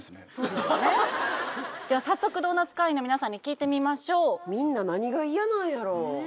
では早速ドーナツ会員の皆さんに聞いてみましょうみんな何が嫌なんやろう？